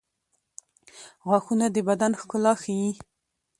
• غاښونه د بدن ښکلا ښيي.